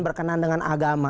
berkenan dengan agama